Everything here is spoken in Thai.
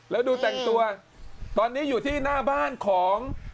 แล้วดูแต่งตัวตอนนี้อยู่ที่หน้าบ้านของ